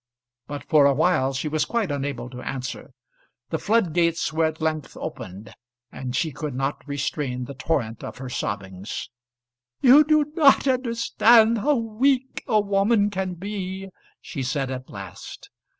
But for a while she was quite unable to answer. The flood gates were at length opened, and she could not restrain the torrent of her sobbings. "You do not understand how weak a woman can be," she said at last.